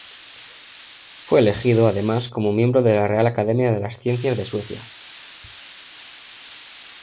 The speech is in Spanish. Fue elegido, además, como miembro de la Real Academia de las Ciencias de Suecia.